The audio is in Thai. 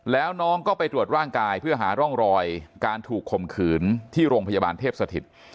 แล้วน้องก็ไปตรวจร่างกายเพื่อหาร่องรอยการถูกข่มขืนที่โรงพยาบาลเทพสถิต